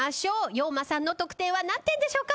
ＹＯＭＡさんの得点は何点でしょうか？